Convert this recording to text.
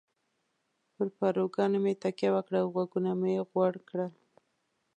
پر پاروګانو مې تکیه وکړه او غوږونه مې غوړ کړل.